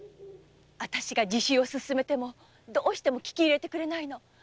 あたしが自首を勧めてもどうしてもききいれないの。